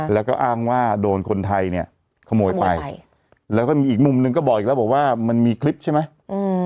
แล้วก็อ้างว่าโดนคนไทยเนี่ยขโมยไปใช่แล้วก็มีอีกมุมหนึ่งก็บอกอีกแล้วบอกว่ามันมีคลิปใช่ไหมอืม